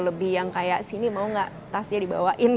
lebih yang kayak sini mau gak tasnya dibawain